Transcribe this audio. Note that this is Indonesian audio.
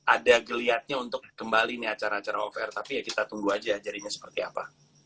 ada geliatnya untuk kembali nih acara acara off air tapi ya kita tunggu aja jarinya seperti apa